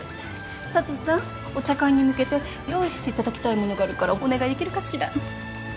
佐都さんお茶会に向けて用意していただきたいものがあるからお願いできるかしら。